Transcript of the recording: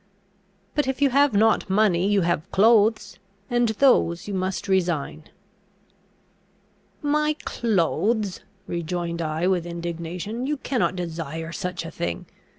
But, if you have not money, you have clothes, and those you must resign." "My clothes!" rejoined I with indignation, "you cannot desire such a thing.